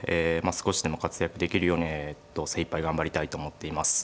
少しでも活躍できるように精いっぱい頑張りたいと思っています。